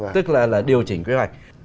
tức là điều chỉnh quy hoạch